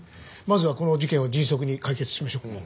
まずはこの事件を迅速に解決しましょう。